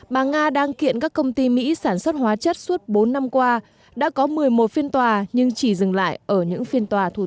bà nga đang kiện các công ty mỹ sản xuất hóa chất suốt bốn năm qua đã có một mươi một phiên tòa nhưng chỉ dừng lại ở những phiên tòa thủ